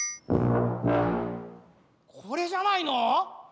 これじゃないの？